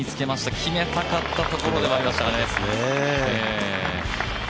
決めたかったところでもありますね。